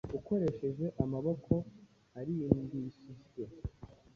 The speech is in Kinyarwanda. Ukoresheje amaboko arimbishijwe